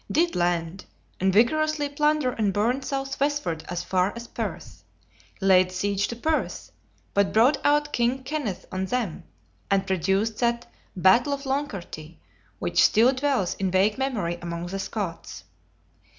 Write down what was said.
Did land, and vigorously plunder and burn south westward as far as Perth; laid siege to Perth; but brought out King Kenneth on them, and produced that "Battle of Loncarty" which still dwells in vague memory among the Scots.